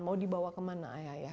mau dibawa kemana iif